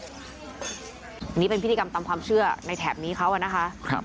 อันนี้เป็นพิธีกรรมตามความเชื่อในแถบนี้เขาอะนะคะ